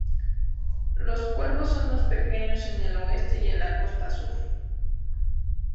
Los cuervos son más pequeños en el oeste y en la costa sur.